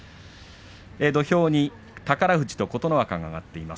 土俵は宝富士と琴ノ若が上がっています。